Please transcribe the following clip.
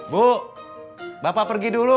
bu bapak pergi dulu